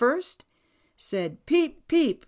first, said "peep, peep!"